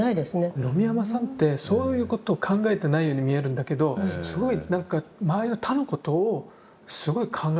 野見山さんってそういうことを考えてないように見えるんだけどすごいなんか周りの他のことをすごい考えてらっしゃる。